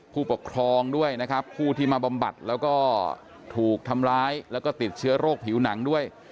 ผู้ปกครองด้วยนะครับผู้ที่มาบำบัดแล้วก็ถูกทำร้ายแล้วก็ติดเชื้อโรคผิวหนังด้วย